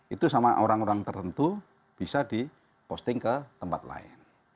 itu sama orang orang tertentu bisa diposting ke tempat lain